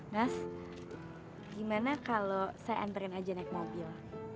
mas gimana kalau saya anterin aja naik mobil